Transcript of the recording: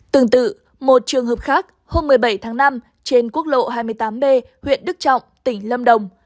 tương tự một trường hợp khác hôm một mươi bảy tháng năm trên quốc lộ hai mươi tám b huyện đức trọng tỉnh lâm đồng